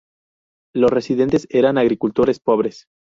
Los residentes eran agricultores pobres.